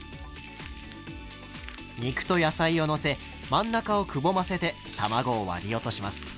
肉と野菜をのせ真ん中をくぼませて卵を割り落とします。